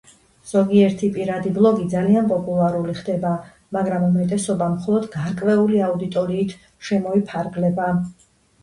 ზოგიერთი პირადი ბლოგი ძალიან პოპულარული ხდება, მაგრამ უმეტესობა მხოლოდ გარკვეული აუდიტორიით შემოიფარგლება.